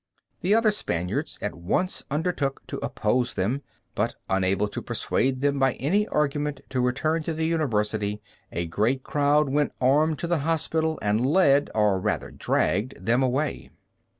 The other Spaniards at once undertook to oppose them, but unable to persuade them by any argument to return to the university, a great crowd went armed to the hospital and led, or rather dragged, them away.